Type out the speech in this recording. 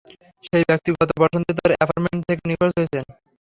সেই ব্যাক্তি গত বসন্তে তার অ্যাপার্টমেন্ট থেকে নিখোঁজ হয়েছেন।